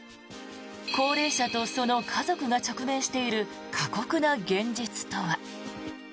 高齢者とその家族が直面している過酷な現実とは。